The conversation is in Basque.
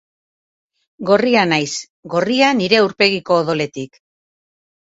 Gorria naiz, gorria nire aurpegiko odoletik.